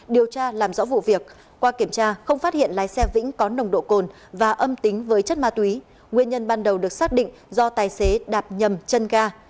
điều tra làm rõ vụ việc qua kiểm tra không phát hiện lái xe vĩnh có nồng độ cồn và âm tính với chất ma túy nguyên nhân ban đầu được xác định do tài xế đạp nhầm chân ga